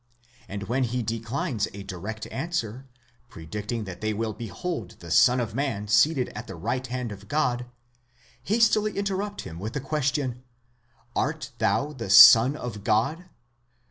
and when he declines a direct answer,—predicting that they will behold the Son of man seated at the right hand of God,—hastily interrupt him with the question, 472 thou the Son of God?